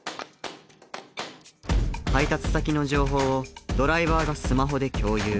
配達先の情報をドライバーがスマホで共有。